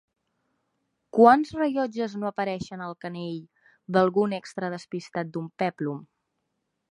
Quants rellotges no apareixen al canell d'algun extra despistat d'un pèplum?